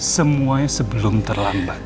semuanya sebelum terlambat